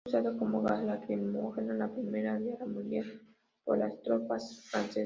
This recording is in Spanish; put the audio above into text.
Fue usado como gas lacrimógeno en la Primera Guerra Mundial por las tropas francesas.